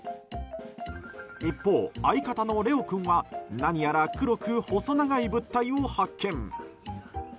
一方、相方のレオ君は何やら黒く細長い物体を発見！